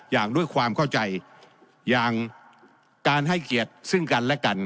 อย่างด้วยความเข้าใจอย่างการให้เกียรติซึ่งกันและกัน